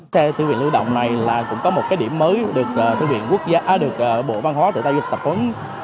xe thư viện lưu động này cũng có một điểm mới được bộ văn hóa tự tạo dịch tập vấn